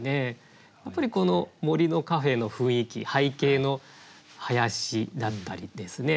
やっぱりこの「森のカフェ」の雰囲気背景の林だったりですね